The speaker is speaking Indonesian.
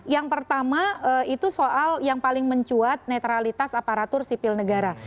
yang pertama itu soal yang paling mencuat netralitas aparatur sipil negara